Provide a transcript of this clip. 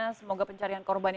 ya semoga pencarian korban